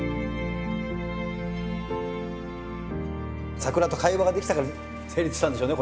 桜と会話ができたから成立したんでしょうね